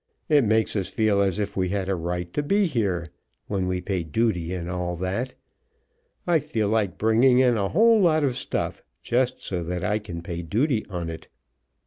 "It makes us feel as if we had a right to be here when we pay duty and all that. I feel like bringing in a lot of stuff just so that I can pay duty on it.